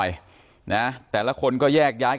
การแก้เคล็ดบางอย่างแค่นั้นเอง